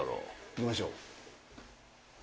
行きましょう。